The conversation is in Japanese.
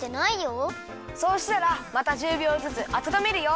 そうしたらまた１０びょうずつあたためるよ。